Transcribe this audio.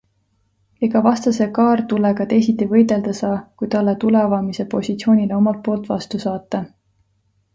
Ega vastase kaartulega teisiti võidelda saa, kui talle tuleavamise positsioonile omalt poolt vastu saata.